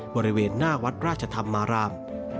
บริเวณหน้าวัดราชธรรมาราม